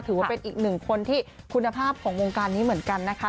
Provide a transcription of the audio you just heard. ถือว่าเป็นอีกหนึ่งคนที่คุณภาพของวงการนี้เหมือนกันนะคะ